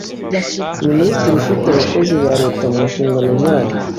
minisiteri ifite abakozi ba leta mu nshingano zayo